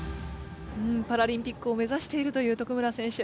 パラリンピックを目ざしているという徳村選手。